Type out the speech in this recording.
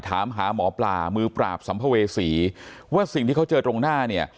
ถามหาหมอปลามือปราบสัมภเวษีว่าสิ่งที่เขาเจอตรงหน้าเนี่ย